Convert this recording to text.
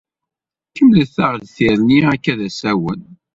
Kemmlet-aɣ-d tirni Akka d asawen.